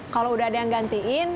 kalau udah ada yang gantiin